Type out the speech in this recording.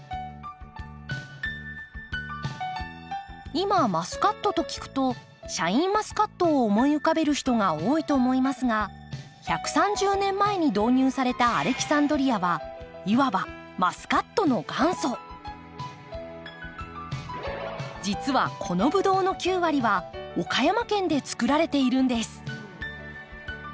今マスカットと聞くとシャインマスカットを思い浮かべる人が多いと思いますが１３０年前に導入されたアレキサンドリアはいわば実はこのブドウの９割は岡山県でつくられているんです。